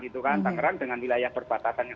tangerang dengan wilayah berbatasannya